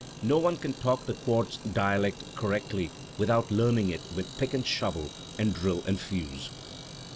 No one can talk the quartz dialect correctly without learning it with pick and shovel and drill and fuse."